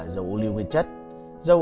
dầu ô lưu nguyên chất phải được chích xuất